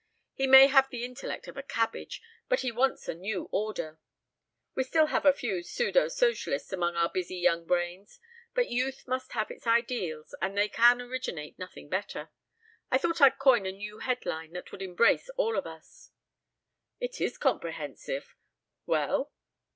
He may have the intellect of a cabbage, but he wants a 'new order.' We still have a few pseudo socialists among our busy young brains, but youth must have its ideals and they can originate nothing better. I thought I'd coin a new head line that would embrace all of us." "It is comprehensive! Well?"